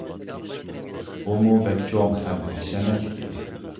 بۇمۇ بەك چوڭ ھەم ھەشەمەتلىك ئىدى.